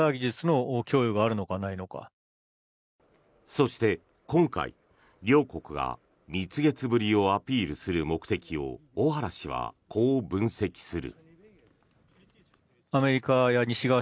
そして、今回、両国が蜜月ぶりをアピールする目的を小原氏は、こう分析する。